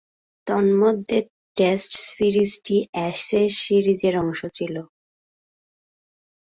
তন্মধ্যে টেস্ট সিরিজটি অ্যাশেজ সিরিজের অংশ ছিল।